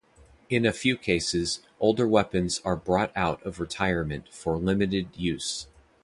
In a few cases, older weapons are brought out of retirement for limited use.